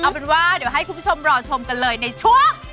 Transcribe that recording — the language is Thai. เอาเป็นว่าเดี๋ยวให้คุณผู้ชมรอชมกันเลยในช่วง